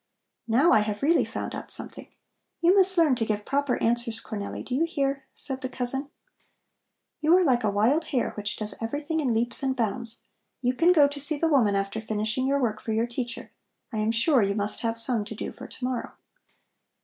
"Now I have really found out something! You must learn to give proper answers, Cornelli, do you hear?" said the cousin. "You are like a wild hare which does everything in leaps and bounds. You can go to see the woman after finishing your work for your teacher. I am sure you must have some to do for to morrow."